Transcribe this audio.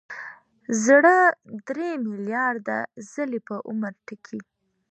زړه درې ملیارده ځلې په عمر ټکي.